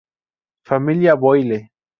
Familia Boyle